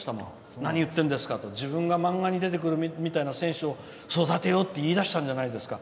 「何言ってるんですか自分が漫画に出てくるみたいな選手を育てよう」って言いだしたんじゃないですか